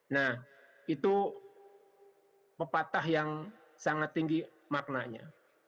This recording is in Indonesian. nah itu pepatah yang sangat tinggi maknanya